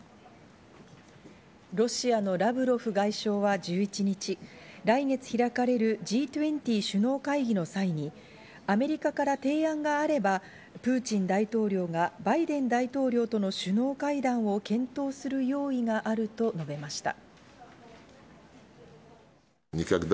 ロシアのラブロフ外相は１１日、来月開かれるＧ２０首脳会議の際にアメリカから提案があれば、プーチン大統領がバイデン大統領との首脳会談を検討する用意があると述べました。